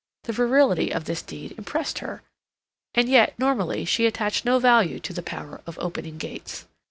The virility of this deed impressed her; and yet, normally, she attached no value to the power of opening gates.